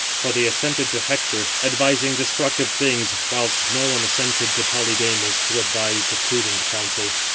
For they assented to Hector, advising destructive things, whilst no one [assented to] Polydamas, who advised prudent counsel.